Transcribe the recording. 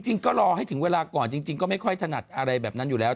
จริงก็รอให้ถึงเวลาก่อนจริงก็ไม่ค่อยถนัดอะไรแบบนั้นอยู่แล้ว